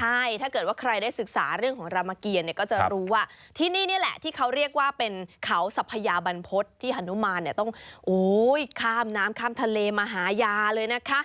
ใช่ถ้าเกิดว่าใครได้ศึกษาเรื่องของรามเกียรเนี่ยก็จะรู้ว่าที่นี่นี่แหละที่เขาเรียกว่าเป็นเขาสัพยาบรรพฤษที่ฮานุมานเนี่ยต้องข้ามน้ำข้ามทะเลมาหายาเลยนะคะ